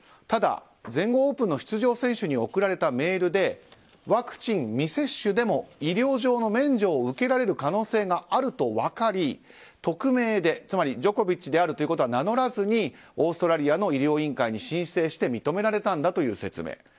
ただ、全豪オープンの出場選手に送られたメールでワクチン未接種でも医療上の免除を受けられる可能性があると分かり、匿名でつまりジョコビッチであるとは名乗らずにオーストラリアの医療委員会に申請して認められたんだという説明。